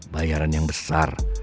bayaran yang besar